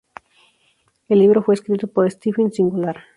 El libro fue escrito por Stephen Singular.